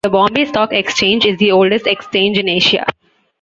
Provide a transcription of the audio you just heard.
The Bombay Stock Exchange is the oldest exchange in Asia.